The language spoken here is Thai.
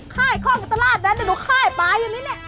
ข้ายข้อมูลตลาดนั้นเดี๋ยวดูข้ายปลาอยู่นี้เนี่ย